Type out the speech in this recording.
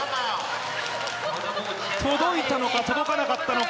届いたのか、届かなかったのか。